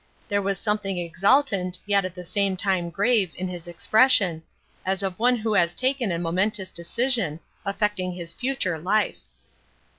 There was something exultant yet at the same time grave in his expression, as of one who has taken a momentous decision, affecting his future life.